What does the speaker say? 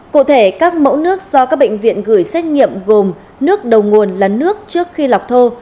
cụ thể các mẫu nước do các bệnh viện gửi xét nghiệm gồm nước đầu nguồn là nước trước khi lọc thô